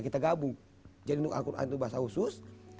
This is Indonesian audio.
kita gabung jadi untuk al quran itu bahasa khusus